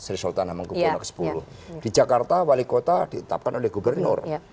di jogja di jakarta di kota ditetapkan oleh gubernur